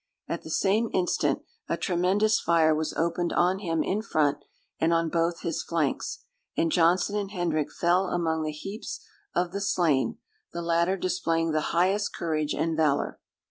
At the same instant, a tremendous fire was opened on him in front, and on both his flanks; and Johnson and Hendrick fell among the heaps of the slain, the latter displaying the highest courage and valour.